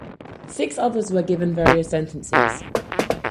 Six others were given various sentences.